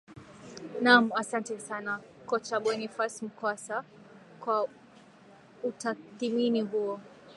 naam asante sana kocha bonifas mkwasa kwa utathimini huo